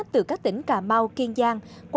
từ các tỉnh cà mau kiên giang